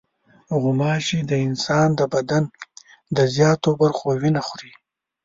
غوماشې د انسان د بدن د زیاتو برخو وینه خوري.